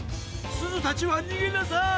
すずたちはにげなさい！